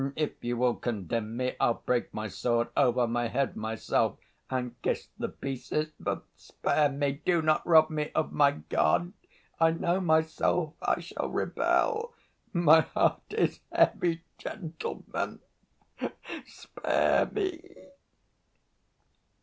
And if you will condemn me, I'll break my sword over my head myself and kiss the pieces. But spare me, do not rob me of my God! I know myself, I shall rebel! My heart is heavy, gentlemen ... spare me!"